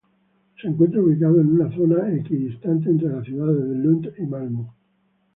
Se encuentra ubicado en una zona equidistante entre las ciudades de Lund y Malmö.